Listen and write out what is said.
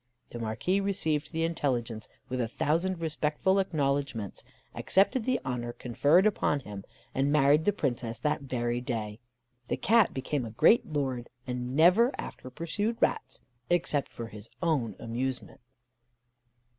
The Marquis received the intelligence with a thousand respectful acknowledgments, accepted the honour conferred upon him, and married the Princess that very day. The Cat became a great lord, and never after pursued rats, except for his own amusement.